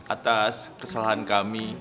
atas kesalahan kami